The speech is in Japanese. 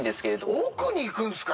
奥に行くんですか？